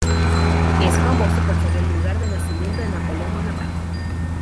Es famoso por ser el lugar de nacimiento de Napoleón Bonaparte.